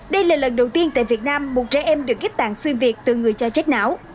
đây là lần đầu tiên tại việt nam một trẻ em được ghép tạng xuyên việc từ người cho chết não